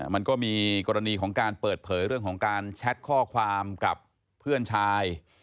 มันก็มีกรณีของการเปิดเผยเรื่องของการแชทข้อความกับเพื่อนชาย